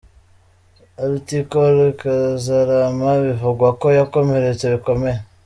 Lt.Col Kazarama bivugwa ko yakomeretse bikomeye